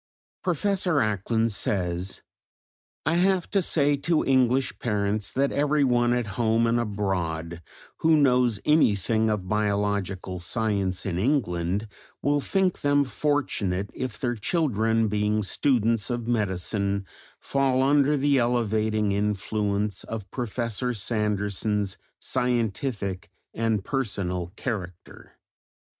Professor Acland says: "I have to say to English parents that everyone at home and abroad, who knows anything of biological science in England, will think them fortunate if their children being students of medicine, fall under the elevating influence of Professor Sanderson's scientific and personal character."